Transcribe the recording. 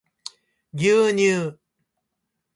牛乳